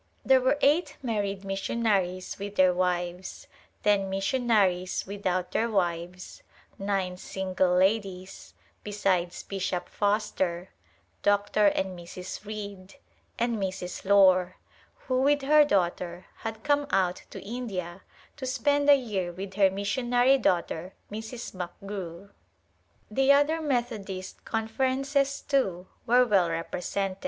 There were eight married missionaries with their wives, ten missionaries without their wives, nine single ladies, besides Bishop Foster, Dr. and Mrs. Reed, and Mrs. Lore, who with her daughter, had come out to India to spend a year with her missionary daughter, Mrs. McGrew. The other Methodist Conferences, too, were well represented.